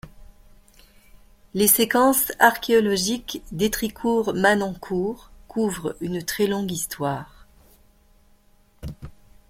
Les séquences archéologiques d'Étricourt-Manancourt couvrent une très longue histoire.